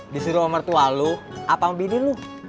disuruh omar tualu apa sama binimu